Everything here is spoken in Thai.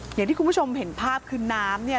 อย่างที่คุณผู้ชมเห็นภาพคือน้ำเนี่ย